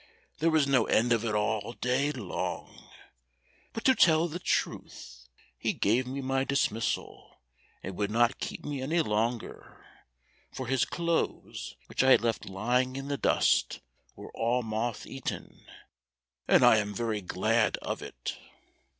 There was no end of it all day long. But to tell the truth, he gave me my dismissal, and would not keep me any longer, for his clothes, which I had left lying in the dust, were all moth eaten, and I am very glad of it."